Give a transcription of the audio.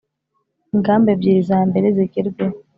Ingamba ebyiri za mbere zigerweho